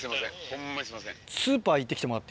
ホンマにすいません。